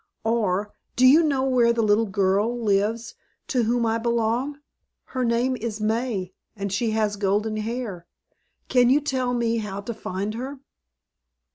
or, "Do you know where the little girl lives to whom I belong? Her name is May, and she has golden hair; can you tell me how to find her?"